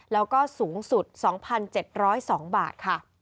และสูงสุด๓๙๒๕บาท